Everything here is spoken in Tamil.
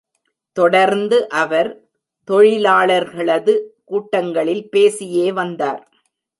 தொடர்ந்து அவர் தொழிலாளர்களது கூட்டங்களில் பேசியே வந்தார்.